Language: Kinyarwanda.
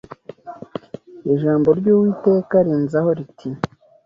Ijambo ry’Uwiteka rinzaho riti